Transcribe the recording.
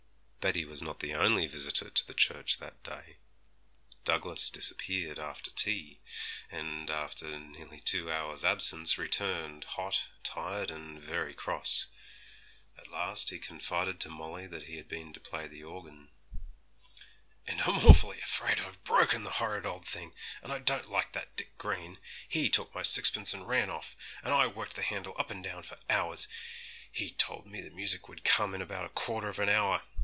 Betty was not the only visitor to the church that day. Douglas disappeared after tea, and after nearly two hours' absence returned, hot, tired, and very cross. At last he confided to Molly that he had been to play the organ. 'And I'm awfully afraid I've broken the horrid old thing, and I don't like that Dick Green! He took my sixpence and ran off, and I worked the handle up and down for hours; he told me the music would come in about a quarter of an hour.